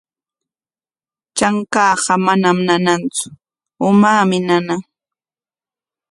Trankaaqa manam nanantsu, umaami nana.